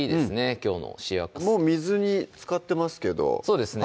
きょうの主役ですもう水につかってますけどそうですね